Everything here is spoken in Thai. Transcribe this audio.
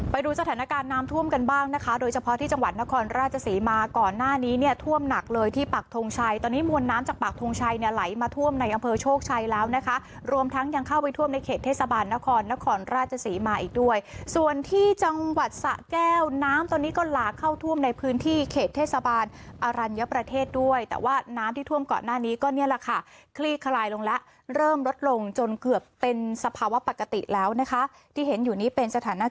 ไปดูสถานการณ์น้ำท่วมกันบ้างนะคะโดยเฉพาะที่จังหวัดนครราชสีมาก่อนหน้านี้เนี่ยท่วมหนักเลยที่ปากทงชัยตอนนี้มวลน้ำจากปากทงชัยเนี่ยไหลมาท่วมในอังเภอโชคชัยแล้วนะคะรวมทั้งยังเข้าไปท่วมในเขตเทศบาลนครนครราชสีมาอีกด้วยส่วนที่จังหวัดสะแก้วน้ำตอนนี้ก็หลากเข้าท่วมในพื้นที่เขตเทศบ